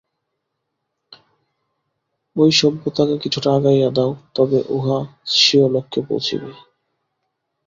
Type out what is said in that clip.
ঐ সভ্যতাকে কিছুটা আগাইয়া দাও, তবেই উহা স্বীয় লক্ষ্যে পৌঁছিবে।